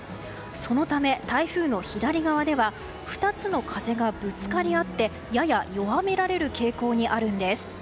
そのため、台風の左側では２つの風がぶつかり合ってやや弱められる傾向にあるんです。